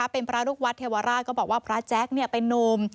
เป็นพระลูกวัดเทวราชก็บอกว่าพระแจ๊คเป็นนุ่ม